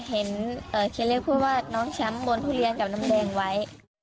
เห็นเชียเล็กพูดว่าน้องแชมป์บนทุเรียนกับน้ำแดงไว้